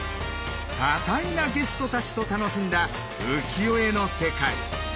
多彩なゲストたちと楽しんだ浮世絵の世界。